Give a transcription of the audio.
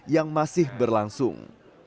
yang masih berlangsung